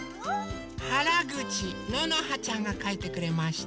はらぐちののはちゃんがかいてくれました。